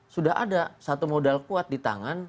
sudah ada satu modal kuat di tangan